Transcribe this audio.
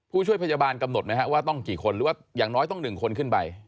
ผู้ช่วยพยาบาลกำหนดไหมครับว่าต้องกี่คนหรือว่าอย่างน้อยต้อง๑คนขึ้นไป